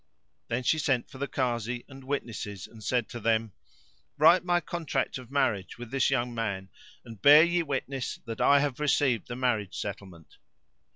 Then she sent for the Kazi and witnesses and said to them, "Write my contract of marriage with this young man, and bear ye witness that I have received the marriage settlement."